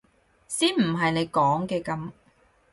先唔係你講嘅噉！